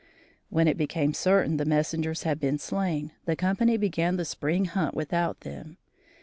When it became certain the messengers had been slain, the company began the spring hunt without them.